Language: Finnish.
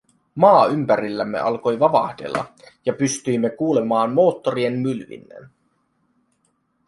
Maa ympärillämme alkoi vavahdella ja pystyimme kuulemaan moottorien mylvinnän.